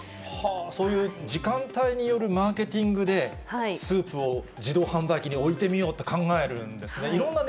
そういう時間帯によるマーケティングで、スープを自動販売機に置いてみようって考えるんですね。